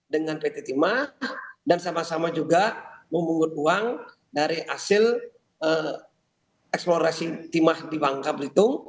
dengan pt timah dan sama sama juga memungut uang dari hasil eksplorasi timah di bangka belitung